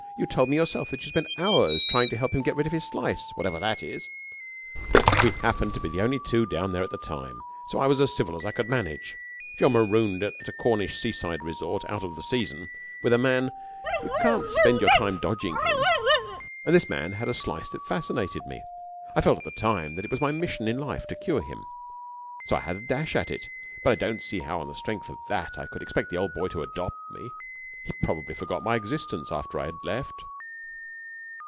You told me yourself that you spent hours helping him to get rid of his slice, whatever that is.' 'We happened to be the only two down there at the time, so I was as civil as I could manage. If you're marooned at a Cornish seaside resort out of the season with a man, you can't spend your time dodging him. And this man had a slice that fascinated me. I felt at the time that it was my mission in life to cure him, so I had a dash at it. But I don't see how on the strength of that I could expect the old boy to adopt me. He probably forgot my existence after I had left.'